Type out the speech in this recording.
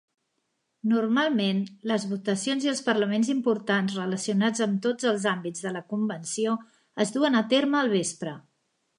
Normalment, les votacions i els parlaments importants relacionats amb tots els àmbits de la convenció es duen a terme al vespre.